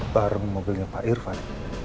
bareng mobilnya pak irfan